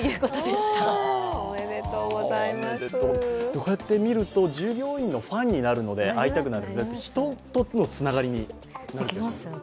こうやって見ると、従業員のファンになるので会いたくなる、人とのつながりになってきますね。